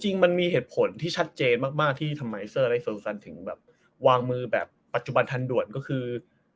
จริงมันมีเหตุผลที่ชัดเจนมากที่ทำไมเซอร์ไทโซซันถึงแบบวางมือแบบปัจจุบันทันด่วนก็คือ